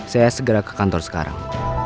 saya segera ke kantor sekarang